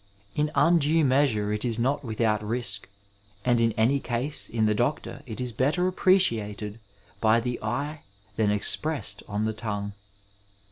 In undue measure it is not without risk, and in an7 case in the doctor it is better appreciated b7 the eye than expressed on the tongue.